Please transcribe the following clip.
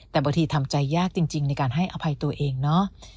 แต่บางทีทำใจยากจริงในการให้อภัยตัวเองเนาะ